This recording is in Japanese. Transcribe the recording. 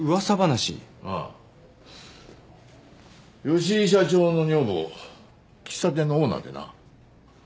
吉井社長の女房喫茶店のオーナーでな。